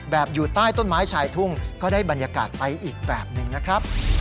อยู่ใต้ต้นไม้ชายทุ่งก็ได้บรรยากาศไปอีกแบบหนึ่งนะครับ